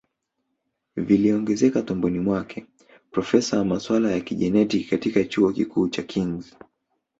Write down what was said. viliongezeka tumboni mwake Profesa wa masuala ya kijenetiki katika chuo kikuu cha Kings